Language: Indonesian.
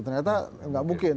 ternyata nggak mungkin